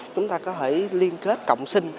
chúng ta có thể liên kết cộng sinh